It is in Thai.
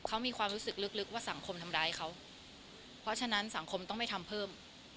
เขามีความรู้สึกลึกว่าสังคมทำร้ายเขาเพราะฉะนั้นสังคมต้องไม่ทำเพิ่ม